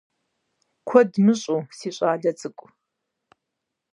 Куэд мыщӏэу, си щӏалэ цӏыкӏу…